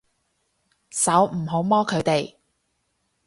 手，唔好摸佢哋